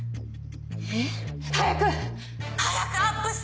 えっ？早く！早くアップして！